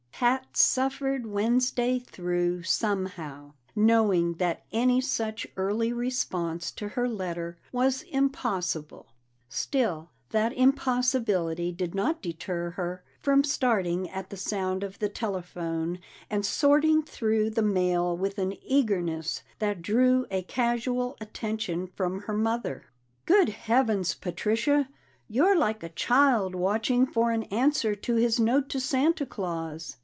Pat suffered Wednesday through somehow, knowing that any such early response to her letter was impossible. Still, that impossibility did not deter her from starting at the sound of the telephone, and sorting through the mail with an eagerness that drew a casual attention from her mother. "Good Heavens, Patricia! You're like a child watching for an answer to his note to Santa Claus!"